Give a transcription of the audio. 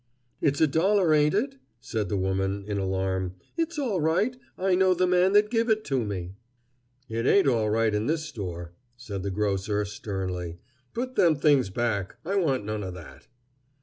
"It's a dollar, ain't it?" said the woman, in alarm. "It's all right. I know the man that give it to me." "It ain't all right in this store," said the grocer, sternly. "Put them things back. I want none o' that."